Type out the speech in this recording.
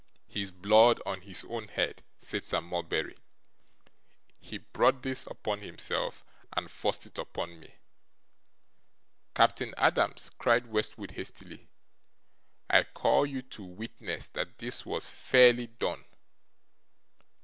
'His blood on his own head,' said Sir Mulberry. 'He brought this upon himself, and forced it upon me.' 'Captain Adams,' cried Westwood, hastily, 'I call you to witness that this was fairly done.